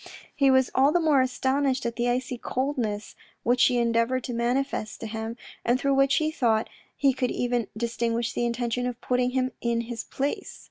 He was all the more astonished at the icy coldness which she endeavoured to manifest to him, and through which he thought he could even distinguish the intention of putting him in his place.